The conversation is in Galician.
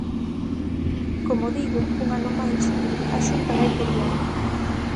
Como digo, un ano máis, a Xunta vai por diante.